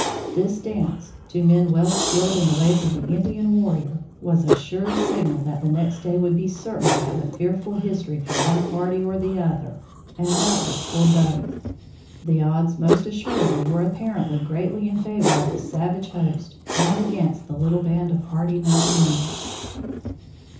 This dance, to men well skilled in the ways of the Indian warrior, was a sure signal that the next day would be certain to have a fearful history for one party or the other and doubtless for both. The odds, most assuredly, were apparently greatly in favor of the savage host and against the little band of hardy mountaineers."